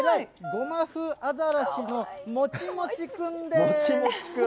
ゴマフアザラシのもちもちくんです。